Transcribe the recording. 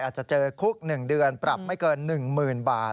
อาจจะเจอคุก๑เดือนปรับไม่เกิน๑๐๐๐บาท